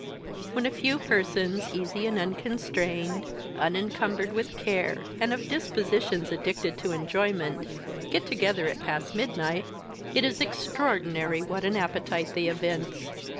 When a few persons, easy and unconstrained, unincumbered with cares, and of dispositions addicted to enjoyment, get together at past midnight, it is extraordinary what an appetite they evince.